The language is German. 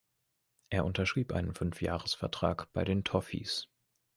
Er unterschrieb einen Fünf-Jahres-Vertrag bei den „Toffees“.